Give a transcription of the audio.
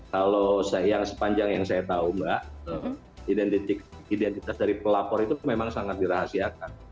kalau yang sepanjang yang saya tahu mbak identitas dari pelapor itu memang sangat dirahasiakan